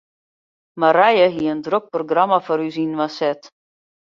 Marije hie in drok programma foar ús yninoar set.